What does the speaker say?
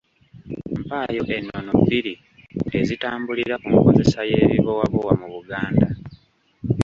Mpaayo ennono bbiri ezitambulira ku nkozesa y’ebibowabowa mu Buganda.